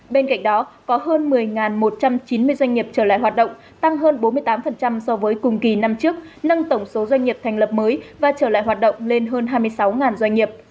bên cạnh đó có hơn một mươi một trăm chín mươi doanh nghiệp trở lại hoạt động tăng hơn bốn mươi tám so với cùng kỳ năm trước nâng tổng số doanh nghiệp thành lập mới và trở lại hoạt động lên hơn hai mươi sáu doanh nghiệp